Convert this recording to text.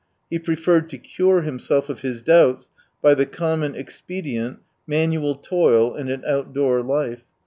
He preferred to cure himself of his doubts by the common expedient, manual toil and an outdoor life.